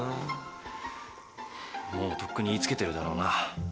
もうとっくに言いつけてるだろうな。